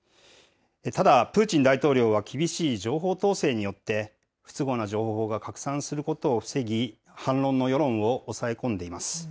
ただ、プーチン大統領は厳しい情報統制によって、不都合な情報が拡散することを防ぎ、反論の世論を抑え込んでいます。